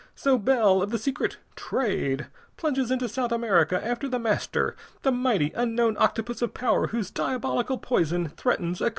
So Bell, of the secret "Trade," plunges into South America after The Master the mighty, unknown octopus of power whose diabolical poison threatens a continent!